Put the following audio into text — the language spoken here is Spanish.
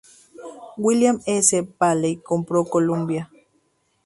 William S. Paley compró Columbia.